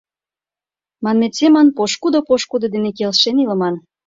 Манмет семын, пошкудо пошкудо дене келшен илыман.